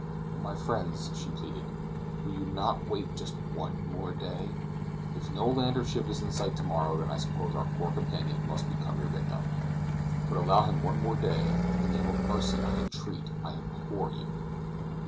"My friends," she pleaded, "will you not wait just one more day? If no land or ship is in sight to morrow, then I suppose our poor companion must become your victim. But allow him one more day; in the name of mercy I entreat, I implore you."